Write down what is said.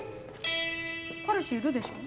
彼氏いるでしょ？